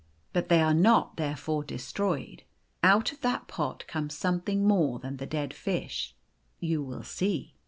But they are not therefore destroyed. Out of that pot comes something more than the dead fish, you will see."